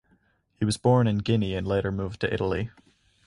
He was born in Guinea and later moved to Italy.